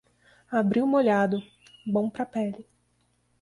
Abril molhado, bom para a pele.